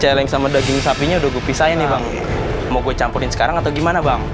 celeng sama daging sapinya udah gupi saya nih bang mau gue campurin sekarang atau gimana bang